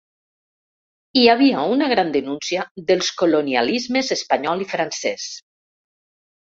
I hi havia una gran denúncia dels colonialismes espanyol i francès.